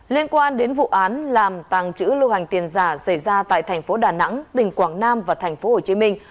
liên quan đến vụ án làm tàng trữ lưu hành tiền giả xảy ra tại thành phố đà nẵng tỉnh quảng nam và thành phố hồ chí minh